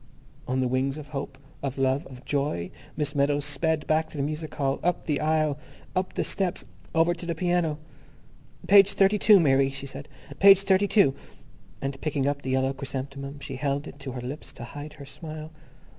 On the wings of hope, of love, of joy, Miss Meadows sped back to the music hall, up the aisle, up the steps, over to the piano. "Page thirty two, Mary," she said, "page thirty two," and, picking up the yellow chrysanthemum, she held it to her lips to hide her smile.